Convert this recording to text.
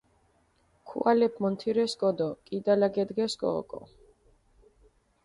ქუალეფი მონთირესკო დო კიდალა გედგესკო ოკო.